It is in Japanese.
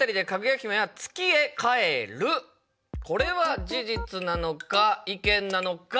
これは事実なのか意見なのか。